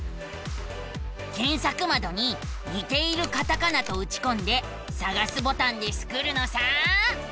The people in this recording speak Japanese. けんさくまどに「にているカタカナ」とうちこんでさがすボタンでスクるのさ。